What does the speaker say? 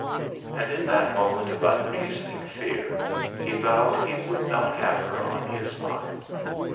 And in that moment of unreasoning fear he vowed he would not have her on his mind.